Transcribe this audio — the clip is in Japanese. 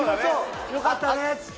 よかったねって。